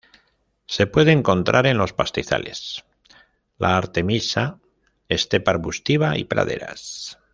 Se puede encontrar en los pastizales, la artemisa, estepa arbustiva y praderas.